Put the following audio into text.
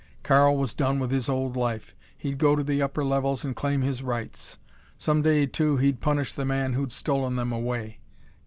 Karl was done with his old life. He'd go to the upper levels and claim his rights. Some day, too, he'd punish the man who'd stolen them away.